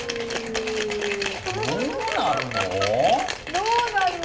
どうなるの？